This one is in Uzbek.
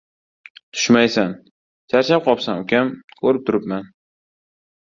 — Tushmaysan. Charchab qopsan, ukam. Ko‘rib turibman.